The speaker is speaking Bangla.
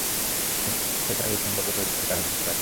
যেটা এই সম্ভাব্য বৈরিতার কারণ হতে পারে।